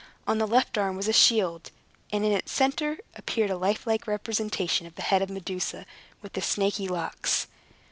On the left arm was a shield, and in its center appeared a lifelike representation of the head of Medusa with the snaky locks.